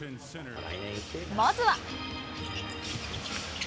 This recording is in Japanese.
まずは。